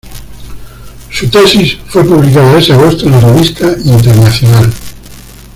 Su tesis fue publicada ese agosto en la Revista Internacional.